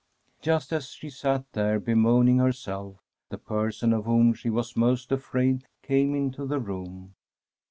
Just as she sat there bemoaning herself, the per son of whom she was most afraid came into the room.